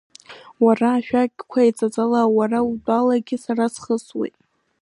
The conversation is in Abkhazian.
Уара ашәақьқәа еиҵаҵала, уара утәалагьы сара схысуеит…